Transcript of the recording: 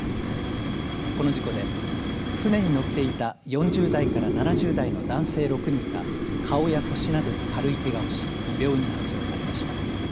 この事故で船に乗っていた４０代から７０代の男性６人が顔や腰などに軽いけがをし病院に搬送されました。